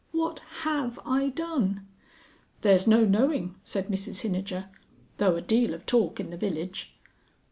"What HAVE I done?" "There's no knowing," said Mrs Hinijer. "Though a deal of talk in the village."